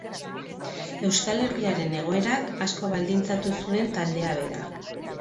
Euskal Herriaren egoerak asko baldintzatu zuen taldea bera.